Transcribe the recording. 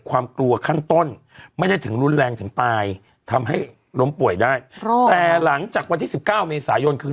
ทำไมมันย้ายเยอะจังเลย